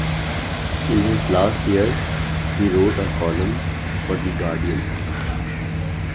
In his last years, he wrote a column for "The Guardian".